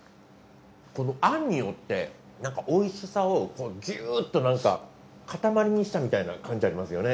この餡によって美味しさをギューッとなんか塊にしたみたいな感じありますよね。